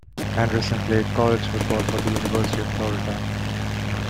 Anderson played college football for the University of Florida.